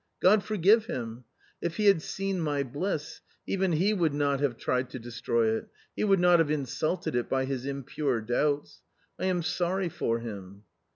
God forgive him ! If he had seen my bliss, even he would not have tried to destroy it, he would not have insulted it by his impure doubts. I am sorry for him."